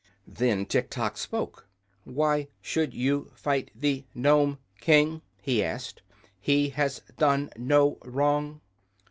Then Tiktok spoke. "Why should you fight the Nome King?" he asked. "He has done no wrong."